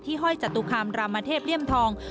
ห้อยจตุคามรามเทพเลี่ยมทอง